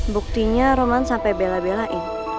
buktinya roman sampai bela belain